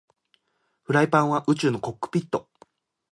フライパンは宇宙のコックピット